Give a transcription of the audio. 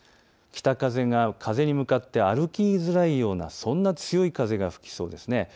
北風が風に向かって歩きづらいような、そんな強い風が吹きそうです。